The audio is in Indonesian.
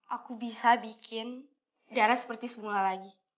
aku bisa bikin darah seperti semula lagi